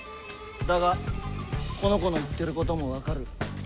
だがこの子の言ってることも分かる。